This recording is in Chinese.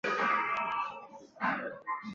基尔施考是德国图林根州的一个市镇。